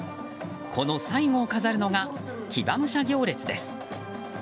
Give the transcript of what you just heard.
この最後を飾るのが騎馬武者行列です。